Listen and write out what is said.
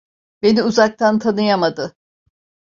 Beni uzaktan tanıyamadı.